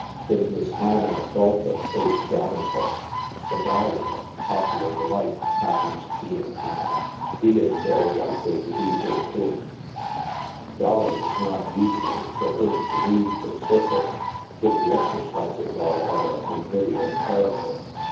If the smiling Adolphus H. Davenport — the " Dolly" of popu HAUNTS OF TIIE ACTORS. 67 lar delight— happens to be in town, ho is very likely to be here, too. " Dolly' 7 is not, usually, the first to leave the circle, if the exercises are of a convivial character.